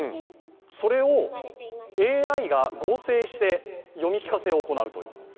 それをＡＩが合成して読み聞かせを行うという。